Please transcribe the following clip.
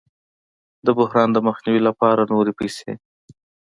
د بحران د مخنیوي لپاره نورې پیسې